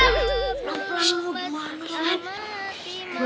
pelan pelan loh gimana